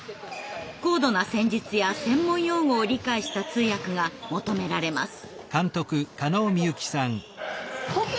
高度な戦術や専門用語を理解した通訳が求められます。